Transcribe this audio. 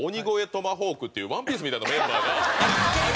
トマホークっていう『ＯＮＥＰＩＥＣＥ』みたいなメンバーが。